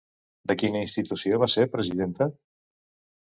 De quina institució va ser presidenta?